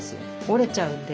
折れちゃうんで。